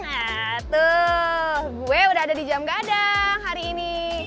nah tuh gue udah ada di jam gadang hari ini